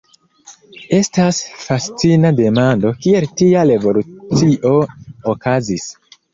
Estas fascina demando, kiel tia revolucio okazis.